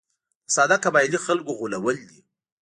د ساده قبایلي خلکو غولول دي.